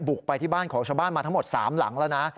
ไปที่บ้านของชาวบ้านมาทั้งหมด๓หลังแล้วนะ